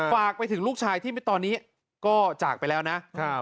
ฝากไปถึงลูกชายที่ตอนนี้ก็จากไปแล้วนะ